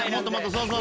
そうそう！